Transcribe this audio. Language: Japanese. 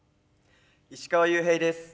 石川裕平です。